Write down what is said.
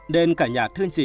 nên cả nhà thương chị